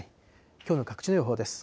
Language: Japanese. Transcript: きょうの各地の予報です。